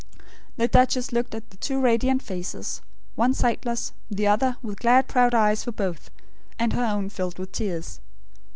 The duchess looked at the two radiant faces; one sightless; the other, with glad proud eyes for both; and her own filled with tears.